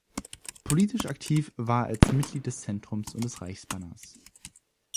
Politisch aktiv war er als Mitglied des Zentrums und des Reichsbanners.